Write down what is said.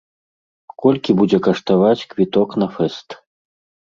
Колькі будзе каштаваць квіток на фэст?